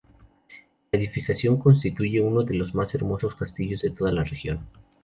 La edificación constituye uno de los más hermosos castillos de toda la región.